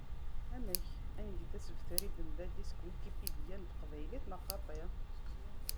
Amek, ad nget asebter i Ben Badis deg Wikipedia n teqbaylit neɣ xaṭi?